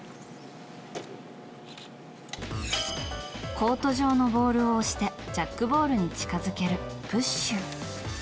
コート上のボールを押してジャックボールに近づけるプッシュ。